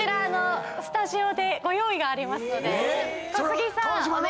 スタジオでご用意がありますので。